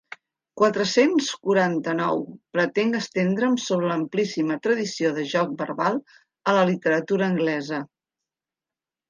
Quatre-cents quaranta-nou pretenc estendre'm sobre l'amplíssima tradició de joc verbal a la literatura anglesa.